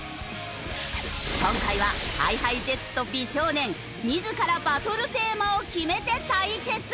今回はＨｉＨｉＪｅｔｓと美少年自らバトルテーマを決めて対決！